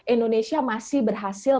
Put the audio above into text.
indonesia masih berhasil